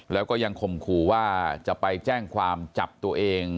แล้วก็ยังข่มขู่ว่าจะไปแจ้งความจับตัวเอง